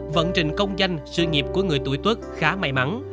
vận trình công danh sự nghiệp của người tuổi tuất khá may mắn